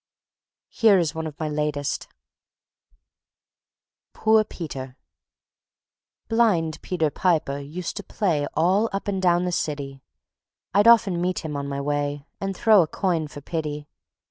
Here is one of my latest: Poor Peter Blind Peter Piper used to play All up and down the city; I'd often meet him on my way, And throw a coin for pity.